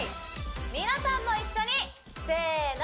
皆さんも一緒にせーの！